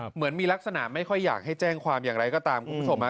เหมือนมีลักษณะไม่ค่อยอยากให้แจ้งความอย่างไรก็ตามคุณผู้ชม